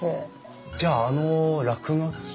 じゃああの落書きは？